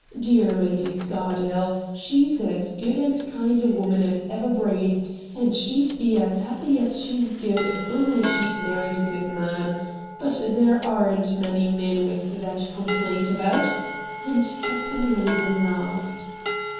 Dear Lady Scardale ! She's as good and kind a woman as ever breathed, and she'd be as happy as she's good if only she'd married a good man. But there aren't many men with that complaint about,' and Captain Eaven laughed.